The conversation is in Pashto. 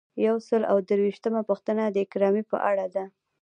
یو سل او درویشتمه پوښتنه د اکرامیې په اړه ده.